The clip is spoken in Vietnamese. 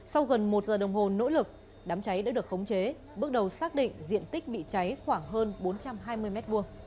sau gần một giờ đồng hồ nỗ lực đám cháy đã được khống chế bước đầu xác định diện tích bị cháy khoảng hơn bốn trăm hai mươi m hai